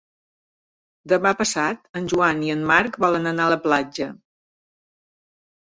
Demà passat en Joan i en Marc volen anar a la platja.